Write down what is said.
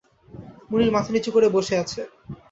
মুনির মাথা নিচু করে বসে আছে।